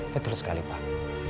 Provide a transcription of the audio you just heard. betul sekali pak